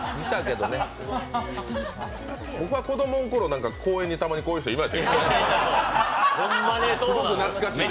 僕は子供のころ、公園にたまにこういう人いましたね、すごく懐かしいです。